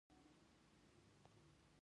د هیواد تر ټولو لوړ مقام څوک دی؟